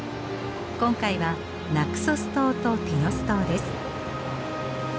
今回はナクソス島とティノス島です。